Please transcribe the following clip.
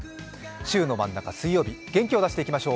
週の真ん中水曜日元気を出していきましょう。